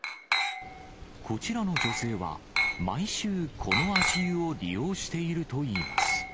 こちらの女性は、毎週、この足湯を利用しているといいます。